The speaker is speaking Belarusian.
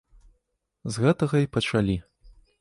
З гэтага й пачалі.